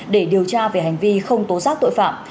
để điều tra về hành vi không tố giác tội phạm